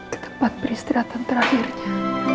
ke tempat peristirahatan terakhirnya